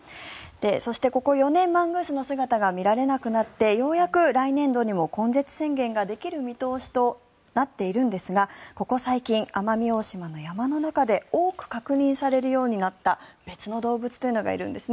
そしてここ４年マングースの姿が見られなくなってようやく来年度にも根絶宣言ができる見通しとなっているんですがここ最近、奄美大島の山の中で多く確認されるようになった別の動物というのがいるんです。